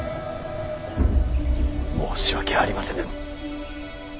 申し訳ありませぬ。